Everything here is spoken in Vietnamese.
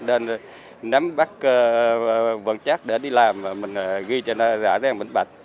nên nắm bắt vận chắc để đi làm mình ghi cho nó rõ ràng bình bạch